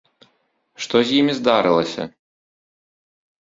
Што з імі здарылася?